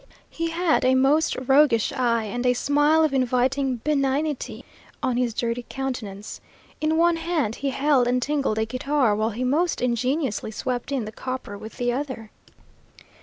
He had a most roguish eye, and a smile of inviting benignity on his dirty countenance. In one hand he held and tingled a guitar, while he most ingeniously swept in the copper with the other.